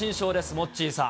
モッチーさん。